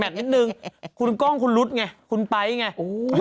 นิดนึงคุณกล้องคุณรุ๊ดไงคุณไป๊ไง